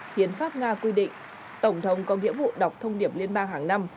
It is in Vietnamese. hiến pháp nga quy định tổng thống có nghĩa vụ đọc thông điệp liên bang hàng năm